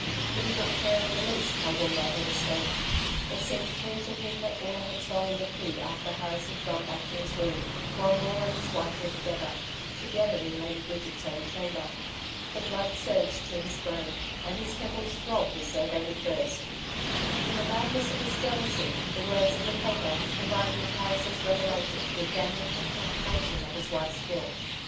He did not care in the least how Wombo had escaped. It seemed clear to him that Oola had stolen the key after Harris had gone back to his room, while Maule and his wife were together together in Lady Bridget's own chamber. The blood surged to his brain, and his temples throbbed as though they would burst. In the madness of his jealousy, the words of the paper, combined with Harris' revelations were damnatory confirmation of his wife's guilt.